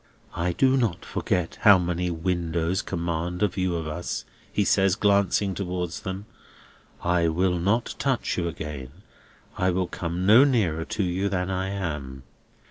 "I do not forget how many windows command a view of us," he says, glancing towards them. "I will not touch you again; I will come no nearer to you than I am.